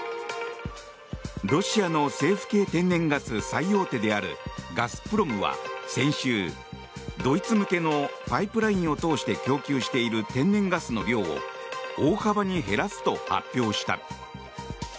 ロシアの政府系天然ガス最大手であるガスプロムは先週、ドイツ向けのパイプラインを通して供給している天然ガスの量を大幅に減らすと発表した。